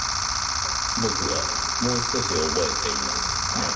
僕はもう少し覚えています。